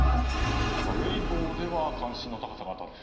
ウェイボーでは関心の高さが高い。